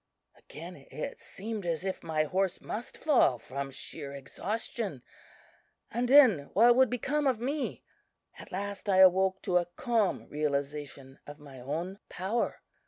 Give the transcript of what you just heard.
Again, it seemed as if my horse must fall from sheer exhaustion; and then what would become of me? "At last I awoke to a calm realization of my own power.